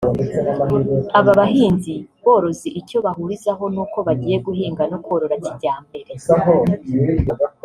Aba bahinzi borozi icyo bahurizaho ni uko bagiye guhinga no korora kijyambere